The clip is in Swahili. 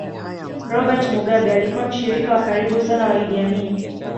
Robert Mugabe alikuwa mshirika wa karibu sana wa Idi Amin